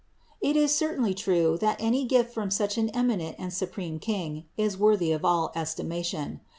It is certainly true that any gift from such an eminent and supreme King is worthy of all estimation.